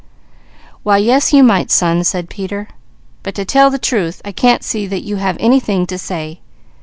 "Why yes, you might son," said Peter, "but to tell the truth I can't see that you have anything to say.